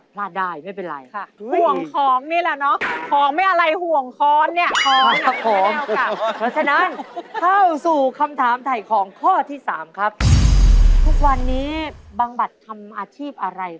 พลาดได้ไม่เป็นไร